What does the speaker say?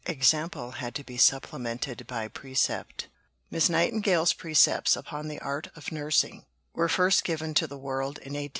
Example had to be supplemented by precept. Miss Nightingale's precepts upon the Art of Nursing were first given to the world in 1859 60.